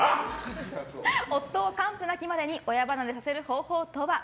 夫を完膚なきまでに親離れさせる方法とは？